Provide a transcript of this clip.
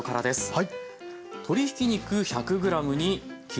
はい。